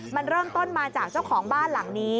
มันเริ่มต้นมาจากเจ้าของบ้านหลังนี้